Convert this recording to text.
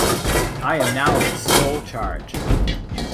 I am now in sole charge.